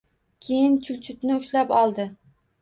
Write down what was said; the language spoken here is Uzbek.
Keyin Chulchutni ushlab oldi.